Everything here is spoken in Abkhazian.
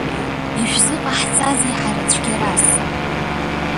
Ишәзыҟаҳҵазеи ҳара цәгьарас?